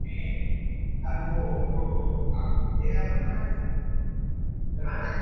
আপনাদের ভাগ্য ভালো, আজকে রাতে তাকে শেষবারের মতো খেতে দেবো আমরা।